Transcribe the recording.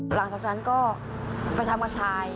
หลังจากนั้นก็ไปทำกับชาย